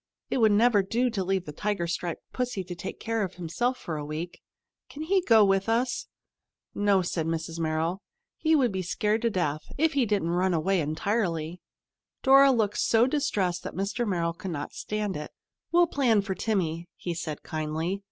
It would never do to leave the tiger striped pussy to take care of himself for a week. "Can he go with us?" "No," said Mrs. Merrill. "He would be scared to death, if he didn't run away entirely." Dora looked so distressed that Mr. Merrill could not stand it. "We'll plan for Timmy," he said kindly.